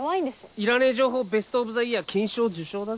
いらねえ情報ベスト・オブ・ザ・イヤー金賞受賞だぞ。